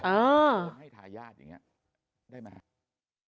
เพราะว่าให้ทายาทอย่างเงี้ยได้มหา